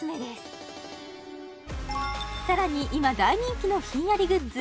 今大人気のひんやりグッズ